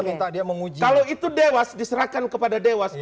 kalau itu dewas diserahkan kepada dewas